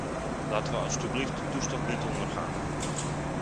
Laten we alstublieft de toestand niet ondergaan.